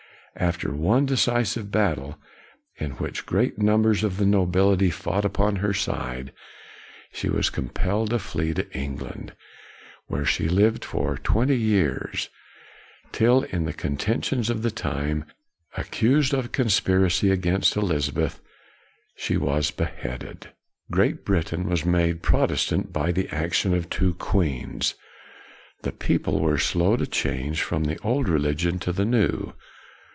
After one decisive battle, in which great numbers of the nobility fought 142 KNOX upon her side, she was compelled to flee to England, where she lived for twenty years, till, in the contentions of the time, accused of conspiracy against Elizabeth, she was beheaded. Great Britain was made Protestant by the action of two queens. The people were slow to change from the old religion to the new.